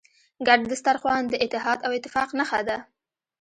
ګډ سترخوان د اتحاد او اتفاق نښه ده.